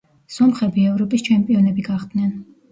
სომხები ევროპის ჩემპიონები გახდნენ.